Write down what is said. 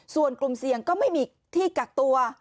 ส่วนกลุ่มเสี่ยงก็ไม่มีที่กักตัว